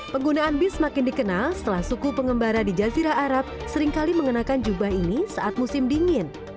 penggunaan bis semakin dikenal setelah suku pengembara di jazirah arab seringkali mengenakan jubah ini saat musim dingin